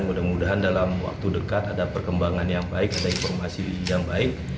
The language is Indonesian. mudah mudahan dalam waktu dekat ada perkembangan yang baik ada informasi yang baik